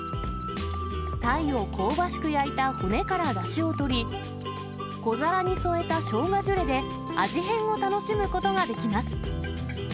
タイを香ばしく焼いた骨からだしをとり、小皿に添えたしょうがジュレで、味変を楽しむことができます。